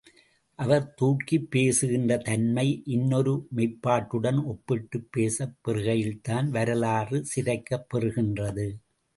அவர் தூக்கிப் பேசுகின்ற தன்மை இன்னொரு மெய்ப்பாட்டுடன் ஒப்பிட்டுப் பேசப் பெறுகையில்தான் வரலாறு சிதைக்கப் பெறுகின்றது.